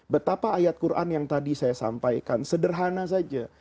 betapa ayat quran yang tadi saya sampaikan sederhana saja